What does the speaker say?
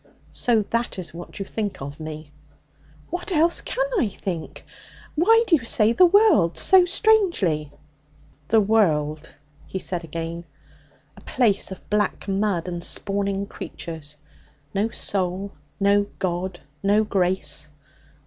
So that is what you think of me?' 'What else can I think? Why do you say "The world" so strangely?' 'The world!' he said again. 'A place of black mud and spawning creatures. No soul, no God, no grace.